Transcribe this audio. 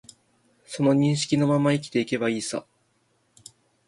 その認識のまま生きていけばいいさ